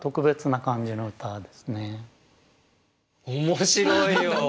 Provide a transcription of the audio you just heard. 面白いよ。